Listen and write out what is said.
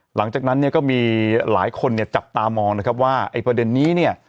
หลังจากนั้นเนี่ยก็มีหลายคนเนี่ยจับตามองนะครับว่าไอ้ประเด็นนี้เนี่ย